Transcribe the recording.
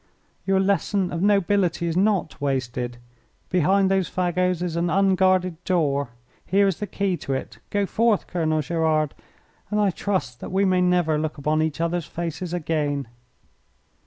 Your lesson of nobility is not wasted. Behind those fagots is an unguarded door. Here is the key to it. Go forth, Colonel Gerard, and I trust that we may never look upon each other's faces again."